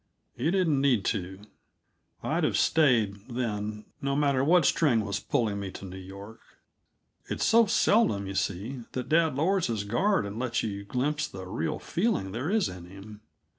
He didn't need to. I'd have stayed, then, no matter what string was pulling me to New York. It's so seldom, you see, that dad lowers his guard and lets you glimpse the real feeling there is in him.